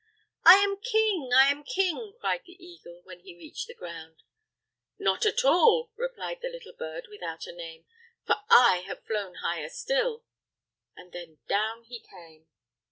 "I am king! I am king!" cried the eagle, when he reached the ground. "Not at all," replied the little bird without a name, "for I have flown higher still," and then down he came.